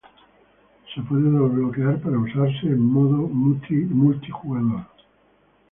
Se puede desbloquear para usarse en modo multi-jugador.